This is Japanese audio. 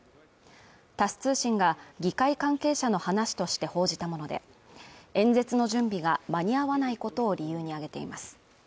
タス通信が議会関係者の話として報じたもので演説の準備が間に合わないことを理由に挙げています